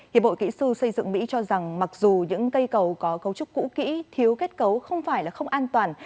hiệp hội kỹ sư xây dựng mỹ cho rằng mặc dù những cây cầu có cấu trúc cũ kỹ thiếu kết cấu không phải là không an toàn